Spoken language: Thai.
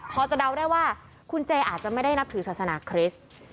พอจะเดาได้ว่าคุณเจอาจจะไม่ได้นับถือศาสนาคริสต์